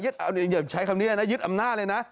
เอาอย่าใช้คำนี้เลยนะยึดอำนาจเลยนะ